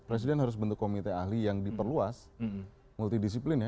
presiden harus bentuk komite ahli yang diperluas multidisiplin ya